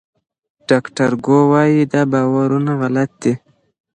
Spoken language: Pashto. ډاکټر ګو وايي دا باورونه غلط دي.